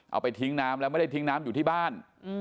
เอาไปทิ้งน้ำแล้วไม่ได้ทิ้งน้ำอยู่ที่บ้าน